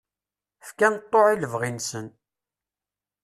Fkan ṭṭuɛ i lebɣi-nsen.